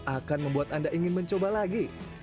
akan membuat anda ingin mencoba lagi